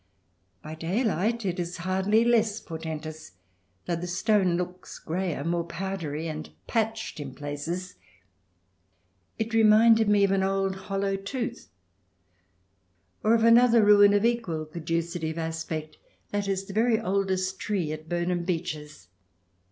By daylight it is hardly less portentous, though the stone looks greyer, more powdery, and patched in places. It reminded me of an old hollow tooth, or of another ruin of equal caducity of aspect — that is, the very oldest tree at Burnham Beeches.